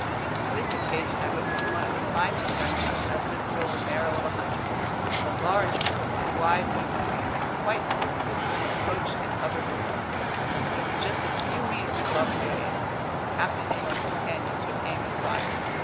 On this occasion I witnessed one of the finest gunshots ever to thrill the marrow of a hunter. A large bird with a wide wingspan, quite clearly visible, approached and hovered over us. When it was just a few meters above the waves, Captain Nemo's companion took aim and fired.